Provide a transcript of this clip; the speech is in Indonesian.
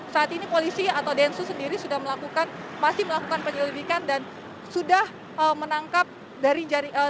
saat ini polisi atau densus sendiri sudah melakukan masih melakukan penyelidikan dan sudah menangkap dari jaringan